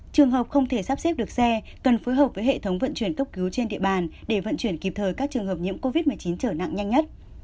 trường hợp không thể sắp xếp được xe cần phối hợp với hệ thống vận chuyển cấp cứu trên địa bàn để vận chuyển kịp thời các trường hợp nhiễm covid một mươi chín trở nặng nhanh nhất